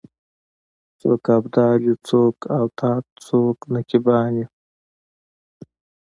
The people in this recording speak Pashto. څوک ابدال یو څوک اوتاد څوک نقیبان یو